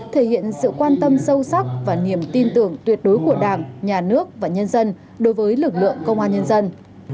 thể hiện sự quan tâm sâu sắc và niềm tin tưởng tuyệt đối của đảng nhà nước và nhân dân đối với lực lượng công an nhân dân